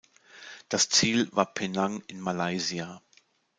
Das Ziel war Penang in Malaysia.